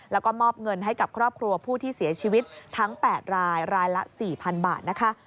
แล้วก็มอบเงินให้กับครอบครัวผู้ที่เสียชีวิตทั้ง๘รายรายละ๔๐๐๐บาทนะคะ